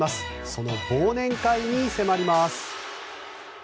その忘年会に迫ります。